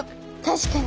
確かに。